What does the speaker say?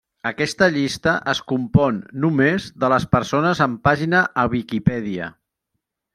Aquesta llista es compon només de les persones amb pàgina a Viquipèdia.